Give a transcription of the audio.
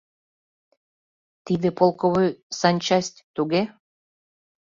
Тиде полковой санчасть, туге?